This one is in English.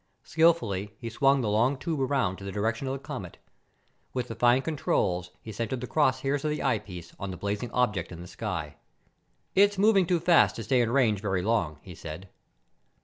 Skilfully, he swung the long tube around to the direction of the comet. With the fine controls he centered the cross hairs of the eyepiece on the blazing object in the sky. "It's moving too fast to stay in range very long," he said.